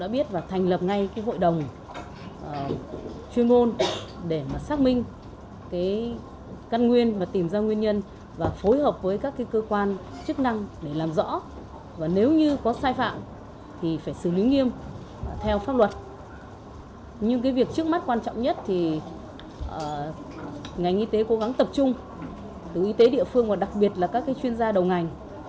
bộ y tế đã cố gắng tập trung từ y tế địa phương và đặc biệt là các chuyên gia đầu ngành